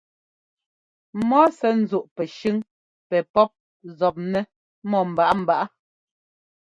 Mɔ sɛ́ ńzúꞌ pɛshʉ́ŋ pɛ pɔ́p zɔpnɛ́ mɔ́ mbaꞌámbaꞌá.